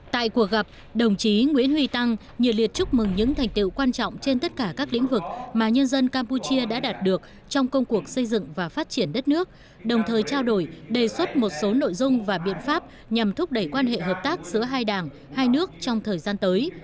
tại cuộc gặp đồng chí nguyễn huy tăng nhiệt liệt chúc mừng những thành tiệu quan trọng trên tất cả các lĩnh vực mà nhân dân campuchia đã đạt được trong công cuộc xây dựng và phát triển đất nước đồng thời trao đổi đề xuất một số nội dung và biện pháp nhằm thúc đẩy quan hệ hợp tác giữa hai đảng hai nước trong thời gian tới